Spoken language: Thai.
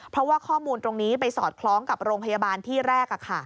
เพราะว่าข้อมูลตรงนี้ไปสอดคล้องกับโรงพยาบาลที่แรก